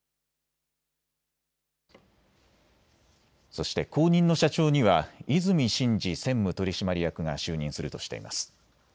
そして後任の社長には和泉伸二専務取締役が就任するとしています。